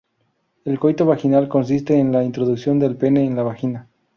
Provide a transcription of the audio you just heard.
El coito vaginal consiste en la introducción del pene en la vagina.